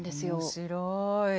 面白い。